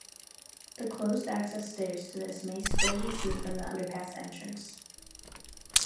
The closed access stairs to this may still be seen from the underpass entrance.